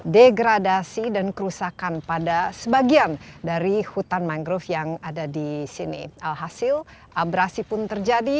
degradasi dan kerusakan pada sebagian dari hutan mangrove yang ada di sini alhasil abrasi pun terjadi